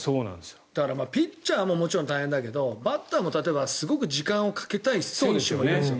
だからピッチャーももちろん大変だけどバッターもすごく時間をかけたい選手もいるんですよ。